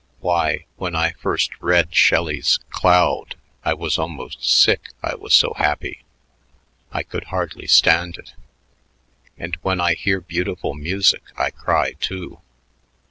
Why, when I first read Shelley's 'Cloud' I was almost sick I was so happy. I could hardly stand it. And when I hear beautiful music I cry, too.